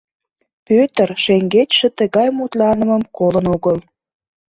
Пӧтыр шеҥгечше тыгай мутланымым колын огыл.